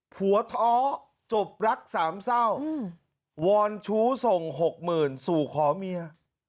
หัวท้อจบรัก๓เศร้าวรชูส่ง๖๐๐๐๐สู่ขอเมีย